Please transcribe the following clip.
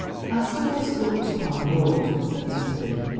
] "As to what it is looked upon abroad," said Mr. B.